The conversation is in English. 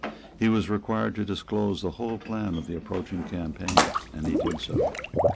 He was required to disclose the whole plan of the approaching campaign; and he did so.